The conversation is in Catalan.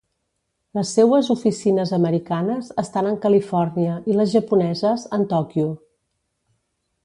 Les seues oficines americanes estan en Califòrnia, i les japoneses en Tòquio.